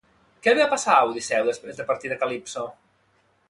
Què li va passar a Odisseu després de partir de Calipso?